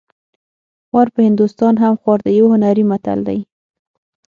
خوار په هندوستان هم خوار دی یو هنري متل دی